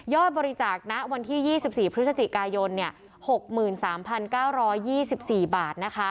บริจาคณวันที่๒๔พฤศจิกายน๖๓๙๒๔บาท